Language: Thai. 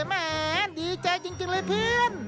แหมดีใจจริงเลยเพื่อน